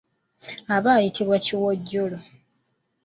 Aba ayitibwa kiwojjolo.